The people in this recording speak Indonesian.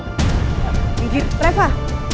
ya ampun ngigir reva